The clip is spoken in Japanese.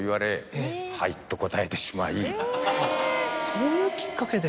そういうきっかけで。